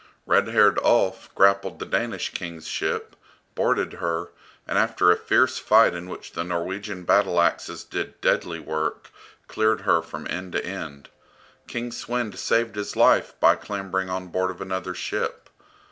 Red haired Ulf grappled the Danish King's ship, boarded her, and after a fierce fight in which the Norwegian battle axes did deadly work, cleared her from end to end. King Svend saved his life by clambering on board of another ship.